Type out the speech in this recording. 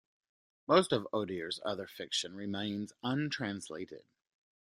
Most of Odier's other fiction remains untranslated.